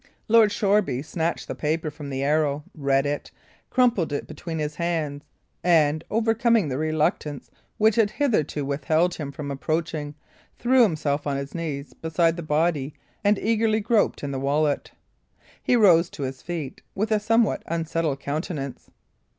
Lord Shoreby snatched the paper from the arrow, read it, crumpled it between his hands, and, overcoming the reluctance which had hitherto withheld him from approaching, threw himself on his knees beside the body and eagerly groped in the wallet. He rose to his feet with a somewhat unsettled countenance.